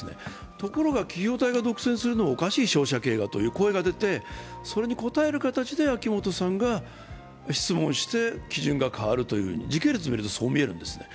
ところが企業体が独占するのがおかしいという声が出てそれに応える形で秋本さんが質問して、基準が変わるという、時系列で見るとそう見えるんですね。